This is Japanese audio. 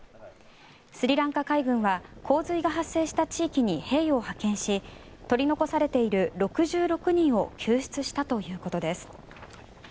スリランカ海軍は洪水が発生した地域に兵を派遣し取り残されている６６人を救出したということです。